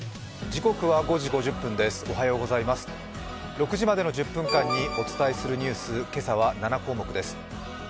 ６時までの１０分間にお伝えするニュース、今朝は７項目です。